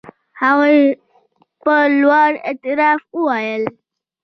هغوی په لوړ اعتراف وویل.